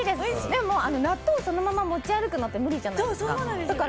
でも、納豆をそのまま持ち歩くのって無理じゃないですか。